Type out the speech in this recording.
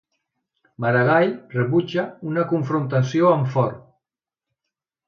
Maragall rebutja una confrontació amb Forn